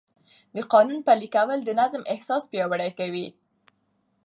د قانون پلي کول د نظم احساس پیاوړی کوي.